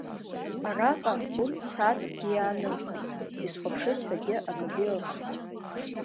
Араҟа, урҭ сааҭкгьы иаанымхеит, изхәаԥшыз ҳәагьы акагьы ыҟам.